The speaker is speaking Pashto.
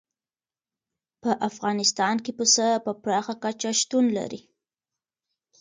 په افغانستان کې پسه په پراخه کچه شتون لري.